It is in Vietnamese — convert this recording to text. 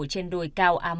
trên đồi cao a một